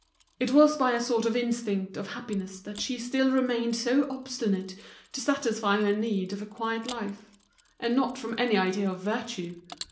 It was by a sort of instinct of happiness that she still remained so obstinate, to satisfy her need of a quiet life, and not from any idea of virtue.